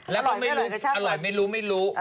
แล้วก็ไม่รู้ว่ากินอะไรอร่อยไม่รู้